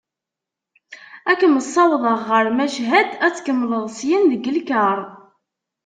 Ad kem-ssawḍeɣ ɣer Machad ad tkemmleḍ syen deg lkaṛ.